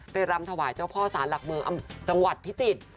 รำถวายเจ้าพ่อสารหลักเมืองจังหวัดพิจิตร